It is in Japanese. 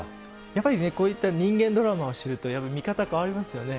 やはり、こういった人間ドラマを知ると、見方変わりますよね。